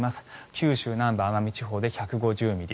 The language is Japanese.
九州南部・奄美地方で１２０ミリ